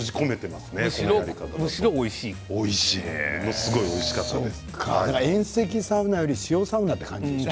すごくおいしかったです。